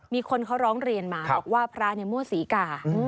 มีคนเขาร้องเรียนมาบอกว่าพระมั่วศรีกา